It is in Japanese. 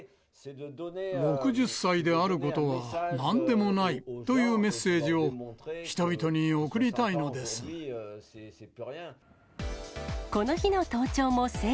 ６０歳であることはなんでもないというメッセージを、人々に送りたいのです。